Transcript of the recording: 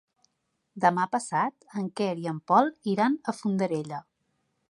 Demà passat en Quer i en Pol iran a Fondarella.